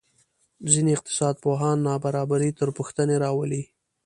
ځینې اقتصادپوهان نابرابري تر پوښتنې راولي.